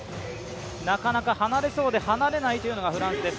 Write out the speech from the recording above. なかなか離れそうで離れないというのがフランスです。